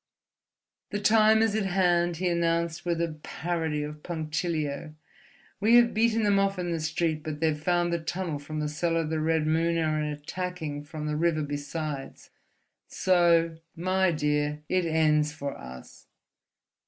"The time is at hand," he announced with a parody of punctilio. "We have beaten them off in the street, but they have found the tunnel from the cellar of the Red Moon, and are attacking from the river besides. So, my dear, it ends for us...."